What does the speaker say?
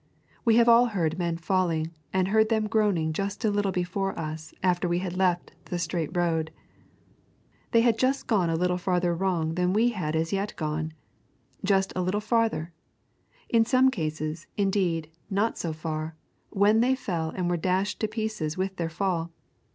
We have all heard men falling and heard them groaning just a little before us after we had left the strait road. They had just gone a little farther wrong than we had as yet gone, just a very little farther; in some cases, indeed, not so far, when they fell and were dashed to pieces with their fall.